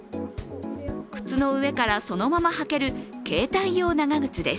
靴の上からそのまま履ける携帯用長靴です。